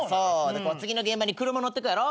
で次の現場に車乗ってくやろ。